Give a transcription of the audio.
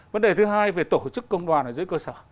vấn đề thứ hai về tổ chức công đoàn ở dưới cơ sở